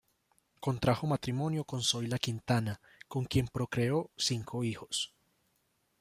Contrajo matrimonio con Zoila Quintana, con quien procreó cinco hijos.